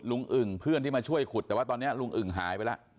อึ่งเพื่อนที่มาช่วยขุดแต่ว่าตอนนี้ลุงอึ่งหายไปแล้ว